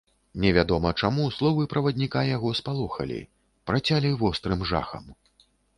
Невядома чаму, словы правадніка яго спалохалі, працялі вострым жахам.